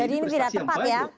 jadi ini tidak tepat ya